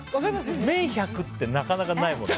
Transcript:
綿１００ってなかなかないもんね。